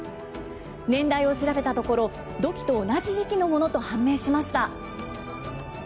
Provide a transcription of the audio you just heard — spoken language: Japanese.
年代を調べたところ、土器と同じ時期のものと判明しました。